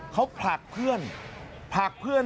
เค้าผลักเพื่อน